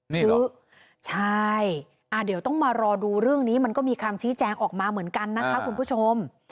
นี่ใช่เดี๋ยวต้องมารอดูเรื่องนี้มันก็มีคำชี้แจงออกมาเหมือนกันนะคะคุณผู้ชม